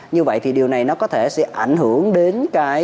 như vậy thì điều này có thể sẽ ảnh hưởng đến